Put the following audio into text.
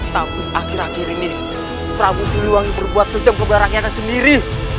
tapi akhir akhir ini prabu siliwangi berbuat kenceng kepada rakyatnya sendiri